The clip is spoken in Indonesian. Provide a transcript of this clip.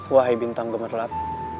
wahai bintang gemerlap